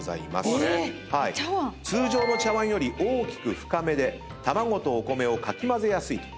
お茶わん⁉通常の茶わんより大きく深めで卵とお米をかき混ぜやすいと。